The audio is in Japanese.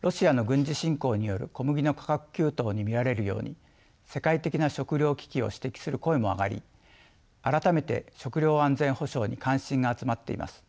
ロシアの軍事侵攻による小麦の価格急騰に見られるように世界的な食糧危機を指摘する声も上がり改めて食糧安全保障に関心が集まっています。